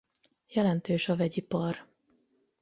Jelentős a vegyipar.